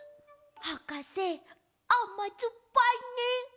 はかせあまずっぱいね！